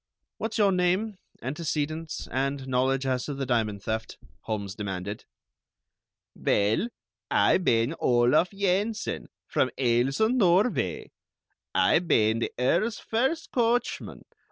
"What's your name, antecedents, and knowledge as to the diamond theft?" Holmes demanded. "Vell, Ay bane Olaf Yensen, from Aalesund, Norvay. Ay bane the Earl's first coachman.